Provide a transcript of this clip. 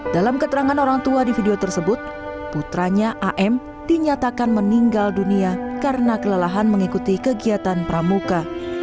dalam keterangan orang tua di video tersebut putranya am dinyatakan meninggal dunia karena kelelahan mengikuti kegiatan pramuka